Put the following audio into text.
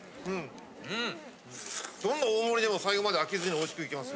どんどん大盛でも最後まで飽きずにおいしくいけます。